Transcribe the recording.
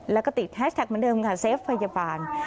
และก็ติดแสฟฟ้าพยาบาล